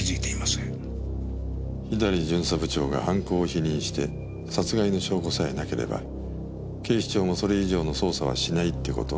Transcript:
左巡査部長が犯行を否認して殺害の証拠さえなければ警視庁もそれ以上の捜査はしないって事？